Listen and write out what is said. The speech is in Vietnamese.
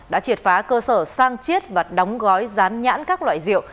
đã triệt phá cơ sở sang chiết và đóng gói rán nhãn các loại rượu